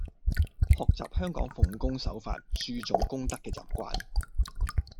學習香港奉公守法、注重公德嘅習慣